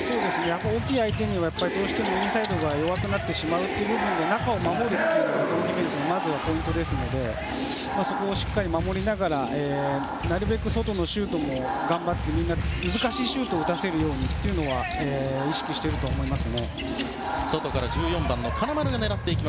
大きい相手にはどうしてもインサイドが弱くなってしまうので中を守るというのがゾーンディフェンスではまずはポイントですのでそこをしっかり守りながらなるべく外のシュートも頑張って難しいシュートを打たせるようにというのは意識していると思います。